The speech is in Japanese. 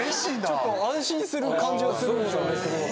ちょっと安心する感じはするんですよねすごい。